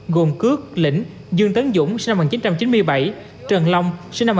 gồm cước lĩnh dương tấn dũng sinh năm một nghìn chín trăm chín mươi bảy trần long sinh năm một nghìn chín trăm tám